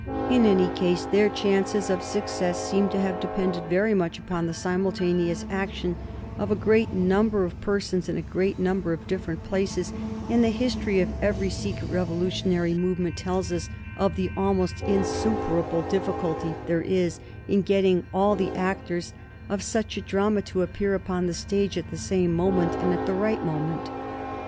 In any case their chances of success seem to have depended very much upon the simultaneous action of a great number of persons in a great number of different places, and the history of every secret revolutionary movement tells us of the almost insuperable difficulty there is in getting all the actors of such a drama to appear upon the stage at the same moment and at the right moment.